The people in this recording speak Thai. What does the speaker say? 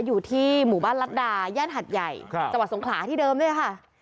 อยู่ที่หมู่บ้านรัฐดาย่านหัดใหญ่จังหวัดสงขลาที่เดิมด้วยค่ะ